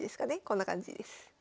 こんな感じです。